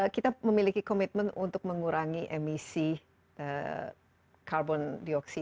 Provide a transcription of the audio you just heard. kita memiliki komitmen untuk mengurangi emisi karbon dioksid